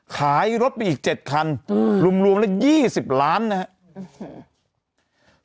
ขายรถไปอีก๗คันรวมแล้ว๒๐ล้านนะครับ